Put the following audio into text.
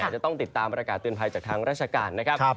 จะต้องติดตามประกาศเตือนภัยจากทางราชการนะครับ